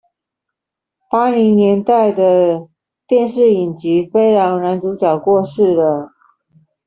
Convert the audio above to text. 八零年代的電視影集《飛狼》男主角過世了